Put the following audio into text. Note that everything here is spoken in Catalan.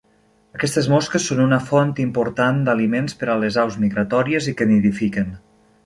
Aquestes mosques són una font important d'aliments per a les aus migratòries i que nidifiquen.